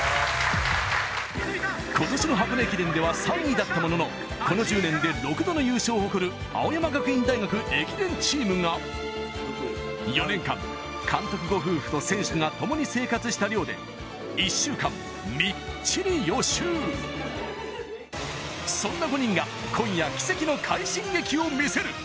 今年の箱根駅伝では３位だったもののこの１０年で６度の優勝を誇る青山学院大学駅伝チームが４年間監督ご夫婦と選手が共に生活した寮で１週間みっちり予習そんな５人が今夜奇跡の快進撃をみせる